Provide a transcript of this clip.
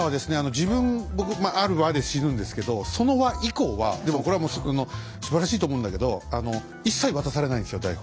自分僕ある話で死ぬんですけどその話以降はでもこれはすばらしいと思うんだけど一切渡されないんですよ台本。